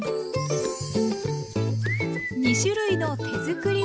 ２種類の手づくり